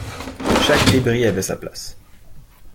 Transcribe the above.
Chaque débris avait sa place.